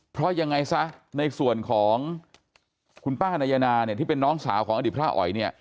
เพราะยังไงซะในส่วนของคุณป้านายนาเนี่ยที่เป็นน้องสาวของอดีตพระอ๋อยเนี่ย